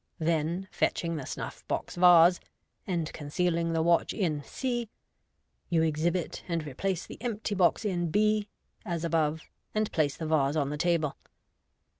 Then fetching the snuff box vase (and concealing the watch in c), you exhibit and replace the empty box in b, as above, and place the vase on the table.